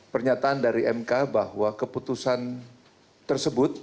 pernyataan dari mk bahwa keputusan tersebut